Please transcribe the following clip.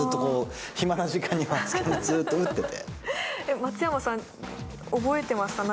松山さん何か覚えてますか？